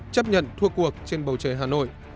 chấp nhận thua cuộc trên bầu trời hà nội